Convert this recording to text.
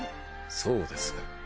そうです。